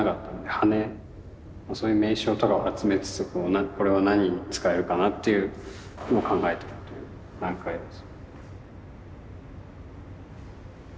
羽根そういう名称とかを集めつつこれは何に使えるかなっていうのを考えてるという段階です。